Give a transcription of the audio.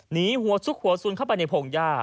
หนีหัวซุกหัวสุนเข้าไปในพงหญ้า